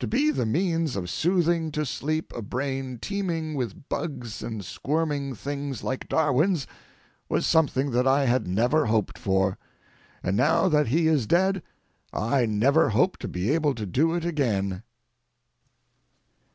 To be the means of soothing to sleep a brain teeming with bugs and squirming things like Darwin's was something that I had never hoped for, and now that he is dead I never hope to be able to do it again.